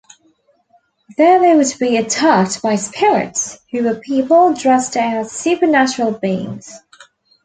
There they would be attacked by "spirits", who were people dressed as supernatural beings.